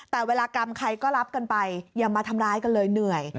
แต่เวลากรรมใครก็รับกันไปอย่ามาทำร้ายกันเลยเหนื่อย